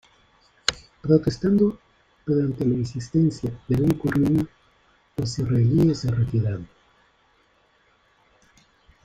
Protestando, pero ante la insistencia de Ben-Gurión, los israelíes se retiraron.